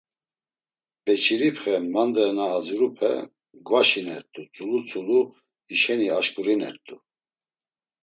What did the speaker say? Beçiripxe, mandre na azirupe gvaşinert̆u tzulu tzulu, hişeni aşǩurinert̆u.